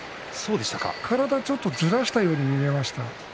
体をちょっとずらしたように見えました。